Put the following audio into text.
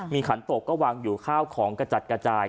มีขันตกก็วางอยู่ข้าวของกระจัดกระจาย